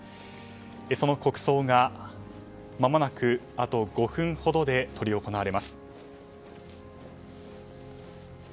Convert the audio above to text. その国葬がまもなくあと５分ほどで執り行われます。